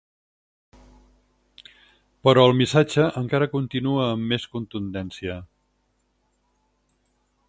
Però el missatge encara continua amb més contundència.